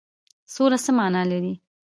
سوله څه معنی لري؟